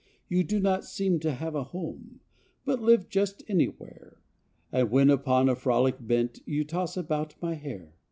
You do not seem to have a home, But live just anywhere, And when upon a frolic bent You toss about my hair.